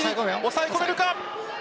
抑え込めるか。